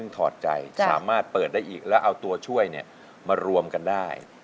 ถอดใจสามารถเปิดได้อีกแล้วเอาตัวช่วยมารวมกันได้